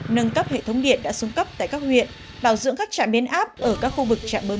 nâng cấp hệ thống điện đã xuống cấp tại các huyện bảo dưỡng các trạm biến áp ở các khu vực trạm bơm